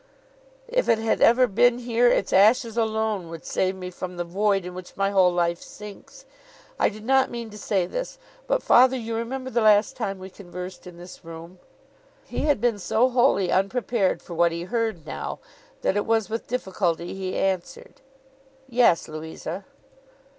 'If it had ever been here, its ashes alone would save me from the void in which my whole life sinks. I did not mean to say this; but, father, you remember the last time we conversed in this room?' He had been so wholly unprepared for what he heard now, that it was with difficulty he answered, 'Yes, Louisa.